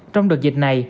trong đợt dịch này